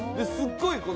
すっごい